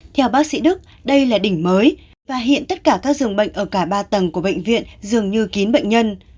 theo bác sĩ đức đây là đỉnh mới và hiện tất cả các dường bệnh ở cả ba tầng của bệnh viện dường như kín bệnh nhân